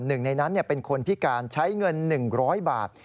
หนึ่งในนั้นเป็นคนพิการใช้เงิน๑๐๐บาท